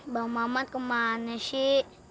bang mamat kemana sih